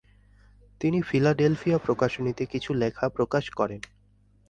তিনি ফিলাডেলফিয়া প্রকাশনীতে কিছু লেখা প্রকাশ করেন।